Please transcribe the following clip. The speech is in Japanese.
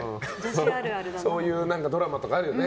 そういうドラマとかあるよね